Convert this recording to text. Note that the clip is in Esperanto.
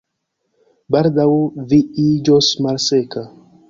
Baldaŭ vi iĝos malseka